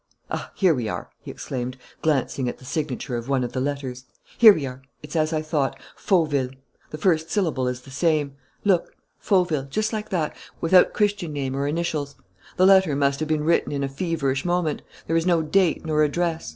"Ah, here we are!" he exclaimed, glancing at the signature of one of the letters. "Here we are! It's as I thought: 'Fauville.' ... The first syllable is the same.... Look, 'Fauville,' just like that, without Christian name or initials. The letter must have been written in a feverish moment: there is no date nor address....